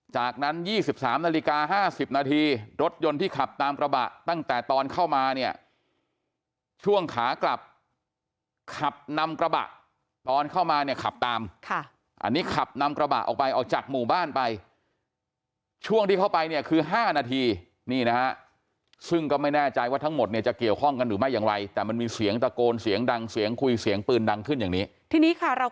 จากนั้น๒๓นาฬิกา๕๐นาทีรถยนต์ที่ขับตามกระบะตั้งแต่ตอนเข้ามาเนี่ยช่วงขากลับขับนำกระบะตอนเข้ามาเนี่ยขับตามค่ะอันนี้ขับนำกระบะออกไปออกจากหมู่บ้านไปช่วงที่เข้าไปเนี่ยคือ๕นาทีนี่นะฮะซึ่งก็ไม่แน่ใจว่าทั้งหมดเนี่ยจะเกี่ยวข้องกันหรือไม่อย่างไรแต่มันมีเสียงตะโกนเสียงดังเสียงคุยเสียงปืนดังขึ้นอย่างนี้ทีนี้ค่ะเรา